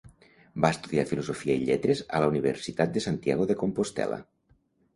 Va estudiar Filosofia i Lletres a la Universitat de Santiago de Compostel·la.